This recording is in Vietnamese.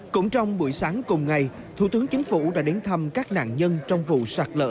cũng trong buổi sáng cùng ngày thủ tướng chính phủ đã đến thăm các nạn nhân trong vụ sạt lỡ